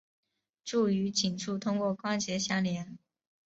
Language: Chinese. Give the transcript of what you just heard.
肋与脊柱通过关节相连。